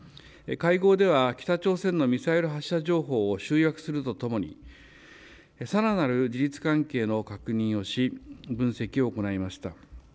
会合では北朝鮮のミサイル発射情報を集約するとともにさらなる事実関係の確認をし分析を行いました。